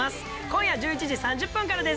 「今夜１１時３０分からです。